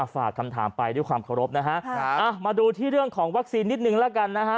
ฝากคำถามไปด้วยความเคารพนะฮะมาดูที่เรื่องของวัคซีนนิดนึงแล้วกันนะฮะ